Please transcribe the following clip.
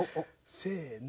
せの。